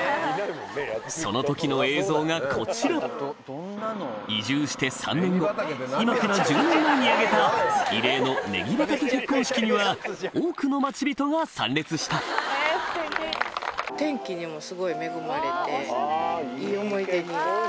その時の映像がこちら移住して３年後今から１０年前に挙げた異例のネギ畑結婚式には多くの町人が参列した「ネーギトス」。